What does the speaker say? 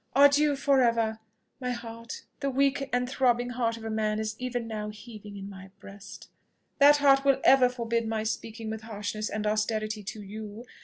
adieu for ever! My heart the weak and throbbing heart of a man is even now heaving in my breast. That heart will for ever forbid my speaking with harshness and austerity to you.